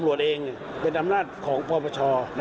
พตรพูดถึงเรื่องนี้ยังไงลองฟังกันหน่อยค่ะ